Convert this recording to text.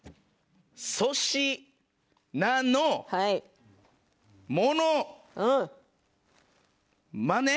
そしなのものまね？